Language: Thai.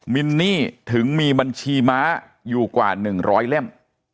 มินนี่ถึงมีบัญชีม้าอยู่กว่า๑๐๐เล่ม